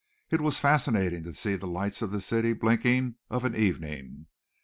It was fascinating to see the lights of the city blinking of an evening.